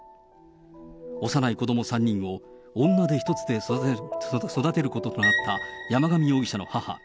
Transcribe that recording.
幼い子ども３人を女手一つで育てることとなった山上容疑者の母。